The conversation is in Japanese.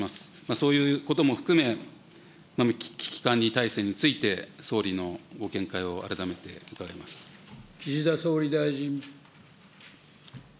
そういうことも含め、危機管理体制について総理のご見解を改めて岸田総理大臣。